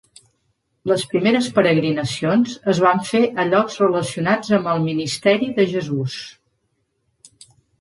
Les primeres peregrinacions es van fer a llocs relacionats amb el Ministeri de Jesús.